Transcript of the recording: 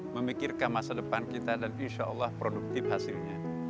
memikirkan masa depan kita dan insya allah produktif hasilnya